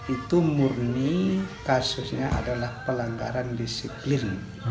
itu murni kasusnya adalah pelanggaran disiplin